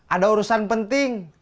ada urusan penting